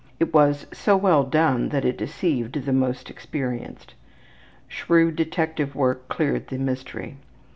It was so well done that it deceived the most experienced. Shrewd detective work cleared the mystery.